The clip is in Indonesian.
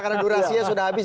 karena durasinya sudah habis